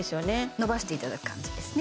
のばしていただく感じですね